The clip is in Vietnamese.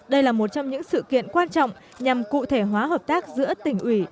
đây là một trong những sự kiện quan trọng nhằm cụ thể hóa hợp tác giữa tỉnh ủy